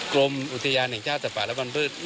กรมอุทยานแห่งชาติสภาพและวันพืช